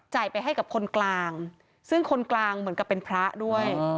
ไปให้กับคนกลางซึ่งคนกลางเหมือนกับเป็นพระด้วย